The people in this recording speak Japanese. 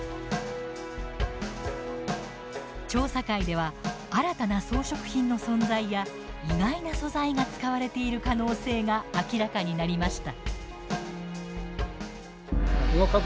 調査会では新たな装飾品の存在や意外な素材が使われている可能性が明らかになりました。